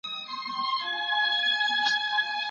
هغوی به د خپلو سترګو د ساتلو لپاره له نامناسبو ځایونو ډډه کوله.